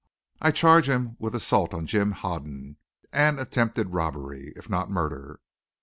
I charge him with assault on Jim Hoden and attempted robbery if not murder.